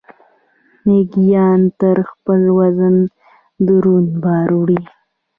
میږیان تر خپل وزن دروند بار وړي